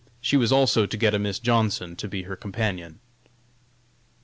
She was also to get a Miss Johnson to be her companion.